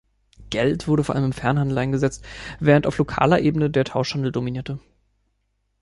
Geld wurde vor allem im Fernhandel eingesetzt, während auf lokaler Ebene der Tauschhandel dominierte.